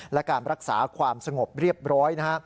และการรักษาความสงบเรียบร้อยนะฮะ